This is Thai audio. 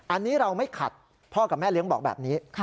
อันนี้เราไม่ขัดพ่อกับแม่เลี้ยงบอกแบบนี้